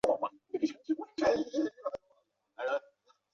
拉扎克德索西尼亚克。